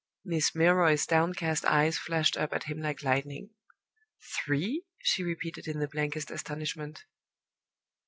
Miss Milroy's downcast eyes flashed up at him like lightning. "Three!" she repeated in the blankest astonishment.